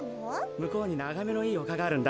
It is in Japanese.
むこうにながめのいいおかがあるんだ。